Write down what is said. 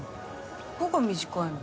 どこが短いの？